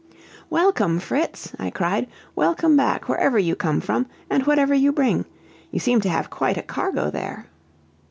"Welcome, Fritz!" I cried. "Welcome back, wherever you come from, and whatever you bring. You seem to have quite a cargo there!"